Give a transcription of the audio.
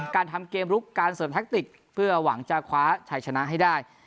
การทำเกมลุกการเสริมแท็กติกเพื่อหวังจะคว้าชัยชนะให้ได้